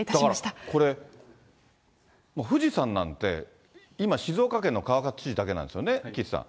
だからこれ、富士山なんて、今、静岡県の川勝知事だけなんですよね、岸さん。